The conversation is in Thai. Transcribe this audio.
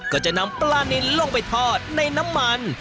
ก็จะนำปลานินลงไปทอดในน้ำมัน